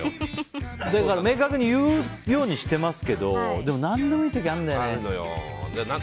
明確に言うようにしてますけどでも何でもいい時あるんだよね。